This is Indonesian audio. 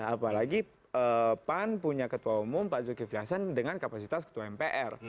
apalagi pan punya ketua umum pak zulkifli hasan dengan kapasitas ketua mpr